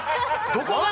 どこが？